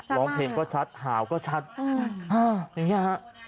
ร้องทีก็ชัดหาวก็ชัดอาหอย่างนี้ฮะ